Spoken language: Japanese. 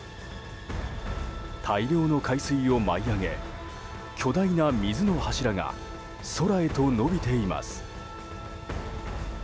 大量の海水を舞い上げ巨大な水の柱が空へと伸びています。